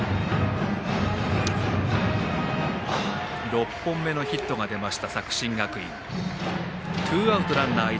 ６本目のヒットが出ました作新学院。